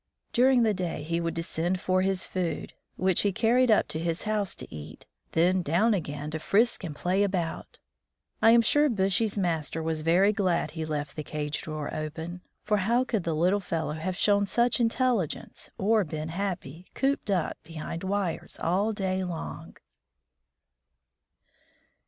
During the day he would descend for his food, which he carried up to his house to eat, then down again to frisk and play about. I am sure Bushy's master was very glad he left the cage door open, for how could the little fellow have shown such intelligence, or been happy, cooped up behind wires all day long?